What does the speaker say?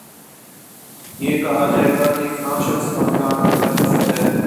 یہ کہا جائے گا کہ فلاں شخص کا فلاں عقیدہ کفر ہے